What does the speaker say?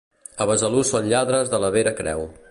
A Besalú són lladres de la Vera Creu.